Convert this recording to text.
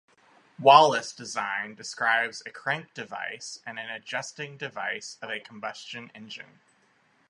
Waulis design describes a crank device and an adjusting device of a combustion engine.